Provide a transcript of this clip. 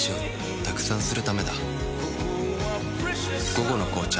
「午後の紅茶」